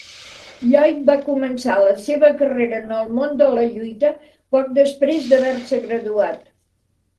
Lloyd va començar la seva carrera en el món de la lluita poc després d'haver-se graduat.